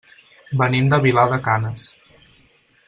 Venim de Vilar de Canes.